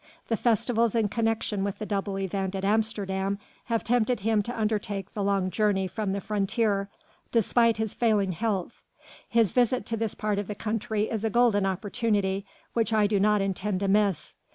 The festivals in connection with the double event at Amsterdam have tempted him to undertake the long journey from the frontier, despite his failing health. His visit to this part of the country is a golden opportunity which I do not intend to miss."